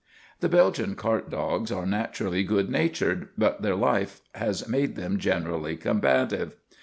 The Belgian cart dogs are naturally good natured, but their life has made them generally combative.